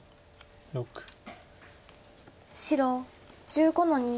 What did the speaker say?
白１５の二。